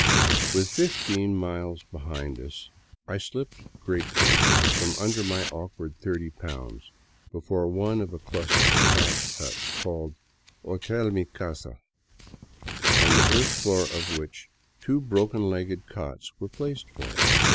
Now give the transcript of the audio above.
With fifteen miles behind us I slipped gratefully from under my awkward thirty pounds before one of a cluster of thatched huts called " Hotel Mi Casa," on the earth floor of which two broken legged cots were placed for us.